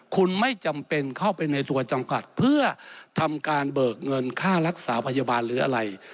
คุณไม่จำเป็นเข้าไปในตัวจำกัดเพื่อทำการเบิกเงินค่ารักษาพยาบาลหรืออะไร